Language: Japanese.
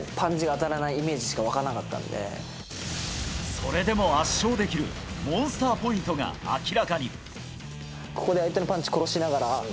それでも圧勝できるモンスターポイントが明らかに。